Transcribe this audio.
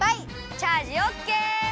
チャージオッケー！